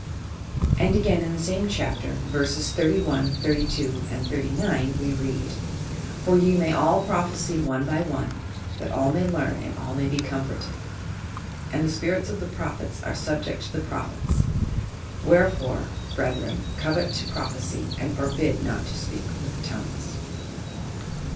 And again in the same Chapter, verses, 31, 32, and 39, we read: "For ye may all prophesy one by one, that all may learn, and all may be comforted. And the spirits of the prophets are subject to the proph ets. ... Wherefore, brethren, covet to prophesy and forbid not to speak tintk tonguet."